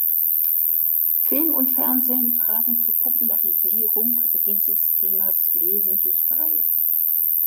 Film und Fernsehen tragen zur Popularisierung dieses Themas wesentlich bei.